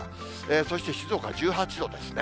そして静岡１８度ですね。